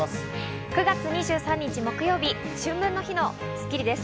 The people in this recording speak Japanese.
９月２３日木曜日、秋分の日の『スッキリ』です。